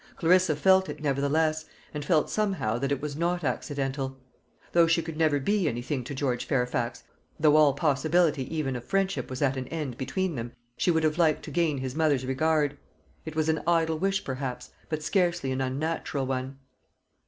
Clarissa felt it nevertheless, and felt somehow that it was not accidental. Though she could never be anything to George Fairfax, though all possibility even of friendship was at an end between them, she would have liked to gain his mother's regard. It was an idle wish perhaps, but scarcely an unnatural one.